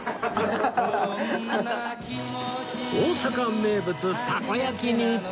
大阪名物たこ焼きに